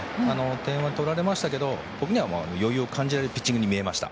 点は取られましたが、僕には余裕を感じられるピッチングに見えました。